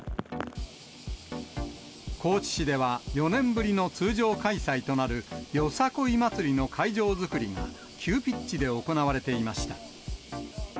高知市では、４年ぶりの通常開催となるよさこい祭りの会場作りが急ピッチで行われていました。